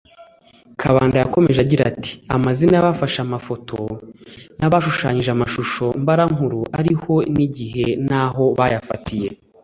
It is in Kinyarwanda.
Kabanda yakomeje agira ati « Amazina y’abafashe amafoto n’abashushanyije amashusho mbarankuru ariho n’igihe n’aho bayafatiye